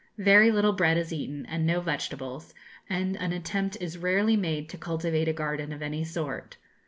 Very little bread is eaten, and no vegetables, and an attempt is rarely made to cultivate a garden of any sort.